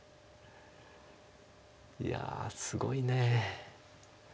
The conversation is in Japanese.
いやすごい。